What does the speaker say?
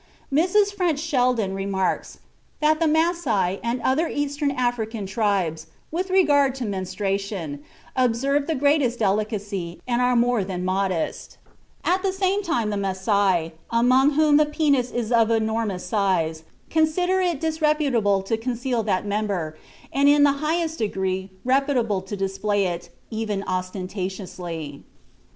Mrs. French Sheldon remarks that the Masai and other East African tribes, with regard to menstruation, "observe the greatest delicacy, and are more than modest." (Journal of the Anthropological Institute, 1894, p. 383.) At the same time the Masai, among whom the penis is of enormous size, consider it disreputable to conceal that member, and in the highest degree reputable to display it, even ostentatiously.